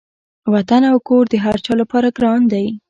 وطن او کور د هر چا لپاره ګران دی.